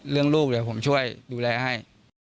เรื่องลูกเดี๋ยวผมช่วยดูแลให้